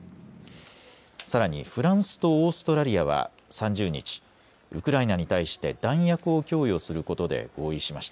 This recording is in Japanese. さらにフランスとオーストラリアは３０日、ウクライナに対して弾薬を供与することで合意しました。